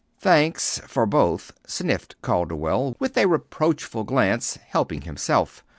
"Thanks for both," sniffed Calderwell, with a reproachful glance, helping himself.